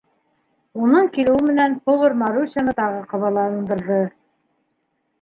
Уның килеүе менән повар Марусяны тағы ҡабаландырҙы: